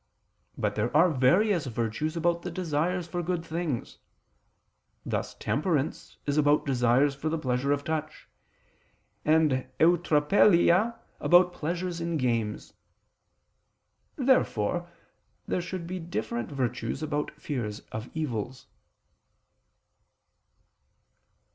But there are various virtues about the desires for good things: thus temperance is about desires for the pleasure of touch, and eutrapelia about pleasures in games. Therefore there should be different virtues about fears of evils.